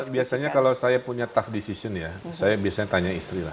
biasanya kalau saya punya tough decision ya saya biasanya tanya istri lah